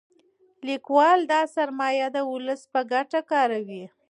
لیکوال دا سرمایه د ولس په ګټه کاروي.